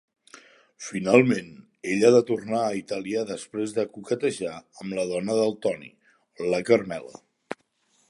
Finalment, ell ha de tornar a Itàlia després de coquetejar amb la dona del Tony, la Carmela.